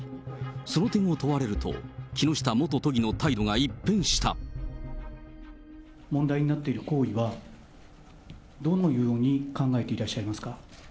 その点を問われると、問題になっている行為は、どのように考えていらっしゃいますか。